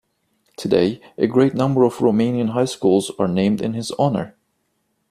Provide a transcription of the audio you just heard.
Today a great number of Romanian highschools are named in his honour.